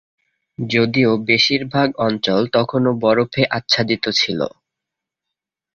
যদিও বেশির ভাগ অঞ্চল তখনও বরফে আচ্ছাদিত ছিল।